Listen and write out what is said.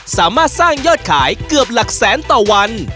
สามารถสร้างยอดขายเกือบหลักแสนต่อวัน